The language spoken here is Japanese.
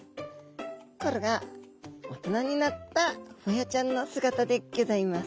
これが大人になったホヤちゃんの姿でギョざいます。